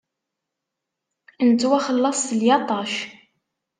Nettwaxellaṣ s lyaṭac.